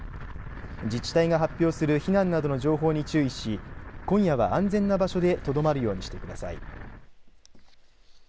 自治体が発表する避難などの情報に注意し今夜は安全な場所でとどまるようにしてください。